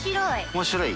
面白い？